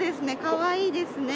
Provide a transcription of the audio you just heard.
かわいいですね。